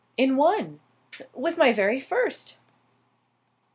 "In one!" "With my very first!"